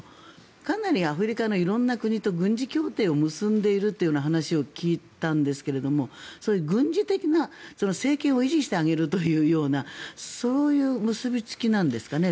かなりアフリカの色んな国と軍事協定を結んでいるという話を聞いたんですがそれは軍事的な政権を維持してあげるというようなそういう結びつきなんですかね？